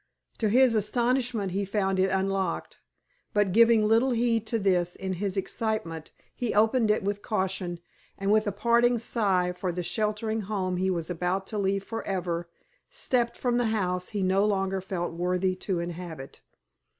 To his astonishment he found it unlocked, but, giving little heed to this in his excitement, he opened it with caution, and, with a parting sigh for the sheltering home he was about to leave forever, stepped from the house he no longer felt worthy to inhabit.